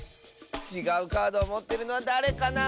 ちがうカードをもってるのはだれかな？